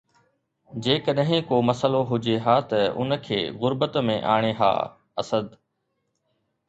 جيڪڏهن ڪو مسئلو هجي ها ته ان کي غربت ۾ آڻي ها“ اسد